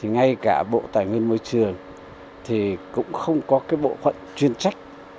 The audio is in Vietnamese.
ngay cả bộ tài nguyên môi trường cũng không có bộ phận chuyên trách